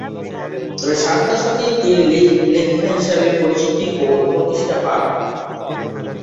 তবে ষাট দশকেই তিনি লেখিকা হিসেবে পরিচিতি ও প্রতিষ্ঠা পান।